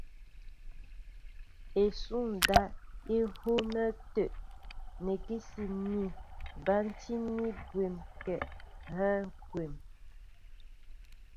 Isúndáp í hʉʉnɛ tə̂ nɛ́kɛ́si ní bántíní byɛ̌m kɛ́ áhə́ ŋgeŋ.